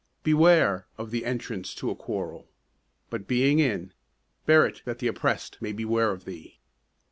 Beware Of entrance to a quarrel, but being in, Bear't that the opposed may beware of thee.